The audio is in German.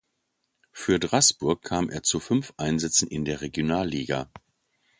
Für Draßburg kam er zu fünf Einsätzen in der Regionalliga.